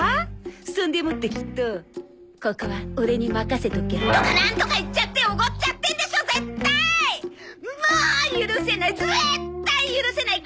そんでもってきっと「ここはオレに任せとけ」とかなんとか言っちゃっておごっちゃってんでしょう絶対！もう許せない！絶対許せない！